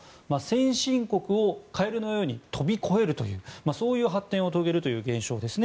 先進国をカエルのように飛び越えるというそういう発展を遂げる現象です。